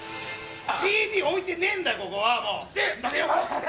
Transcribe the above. ＣＤ置いてねえんだよ、ここは。